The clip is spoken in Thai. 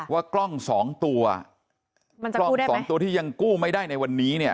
ว่ากล้องสองตัวมันจะกู้ได้ไหมกล้องสองตัวที่ยังกู้ไม่ได้ในวันนี้เนี่ย